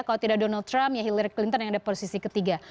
kalau tidak donald trump ya hillary clinton yang ada posisi ketiga